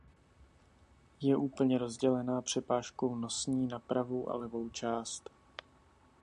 Je úplně rozdělená přepážkou nosní na pravou a levou část.